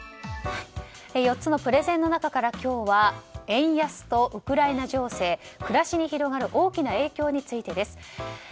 ４つのプレゼンの中から今日は、円安とウクライナ情勢暮らしに広がる大きな影響についてです。